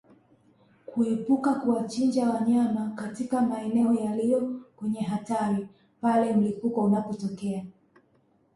Kuepuka kuwachinja wanyama katika maeneo yaliyo kwenye hatari pale mlipuko unapotokea